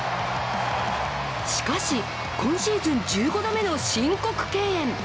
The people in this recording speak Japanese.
しかし、今シーズン１５度目の申告敬遠。